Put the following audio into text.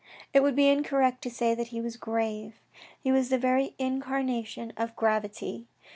It would be incorrect to say that he was grave — he was the very incarnation of gravity.